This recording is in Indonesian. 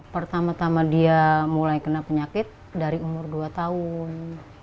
pertama tama dia mulai kena penyakit dari umur dua tahun